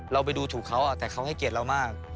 เราไปดูถูกเขาแต่เขาให้เกียรติเรามาก